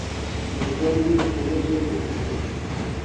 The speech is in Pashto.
د بدن بوی د خوړو سره بدلېږي.